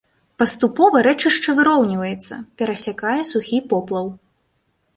Паступова рэчышча выроўніваецца, перасякае сухі поплаў.